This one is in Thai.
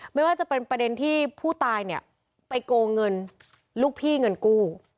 ไม่ว่าจะเป็นประเด็นที่ผู้ตายเนี่ยไปโกงเงินลูกพี่เงินกู้